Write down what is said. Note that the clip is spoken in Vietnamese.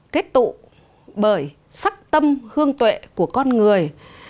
kết tụ bởi sắc tâm hương tuệ của con người